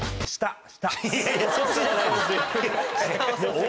いやいやそっちじゃないです。